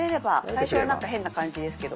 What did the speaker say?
最初はなんか変な感じですけど。